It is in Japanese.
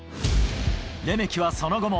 レメキはその後も。